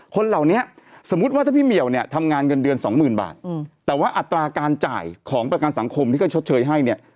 คนเหล่านี้สมมุติว่าถ้าพี่เหมียวเนี่ยทำงานเงินเดือนสองหมื่นบาทแต่ว่าอัตราการจ่ายของประกันสังคมที่ก็ชดเชยให้เนี่ย